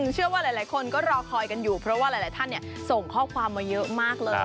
เชื่อว่าหลายคนก็รอคอยกันอยู่เพราะว่าหลายท่านส่งข้อความมาเยอะมากเลย